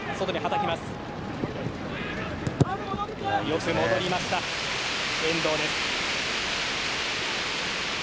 よく戻りました、遠藤です。